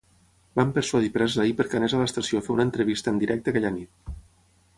Van persuadir Presley perquè anés a l'estació a fer una entrevista en directe aquella nit.